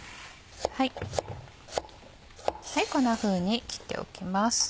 こんなふうに切っておきます。